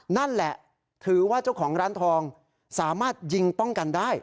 นั่นแหละถือว่าเจ้าของร้านทองสามารถยิงป้องกันได้